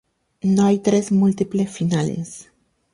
No hay tres múltiples finales.